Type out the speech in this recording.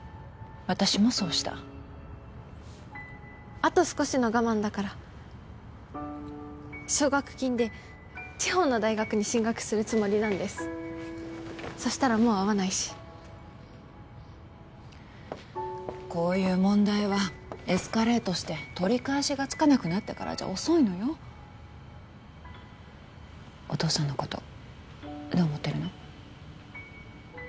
私もそうしたあと少しの我慢だから奨学金で地方の大学に進学するつもりなんですそしたらもう会わないしこういう問題はエスカレートして取り返しがつかなくなってからじゃ遅いのよお父さんのことどう思ってるの？